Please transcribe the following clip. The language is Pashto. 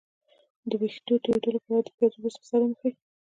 د ویښتو تویدو لپاره د پیاز اوبه په سر ومښئ